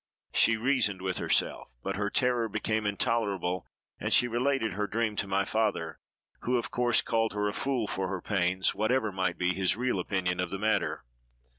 She reasoned with herself; but her terror became intolerable, and she related her dream to my father, who, of course, called her a fool for her pains, whatever might be his real opinion of the matter.